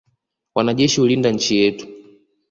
Wanajeshi hulinda nchi yetu.